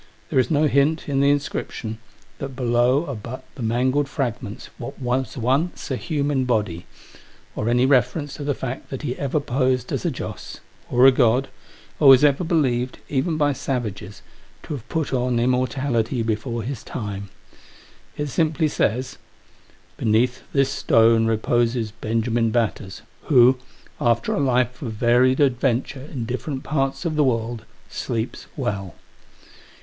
There is no hint, in the inscription, that below are but the mangled fragments of what was once a human body ; or any reference to the fact that he ever posed as a joss ; or a god ; or was ever believed, even by savages, to have put on immortality before his time. It simply says : "BENEATH THIS STONE REPOSES BENJAMIN BATTERS, WHO, AFTER A LIFE OF VARIED ADVENTURE IN DIFFERENT PARTS OF THE WORLD, SLEEPS WELL.